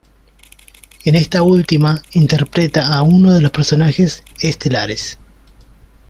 En esta última interpreta a uno de los personajes estelares.